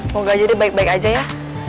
moga aja dia baik baik aja ya